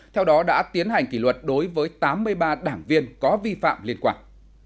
theo đó đã tiến hành kỷ luật đối với tám mươi ba đảng viên có vi phạm liên quan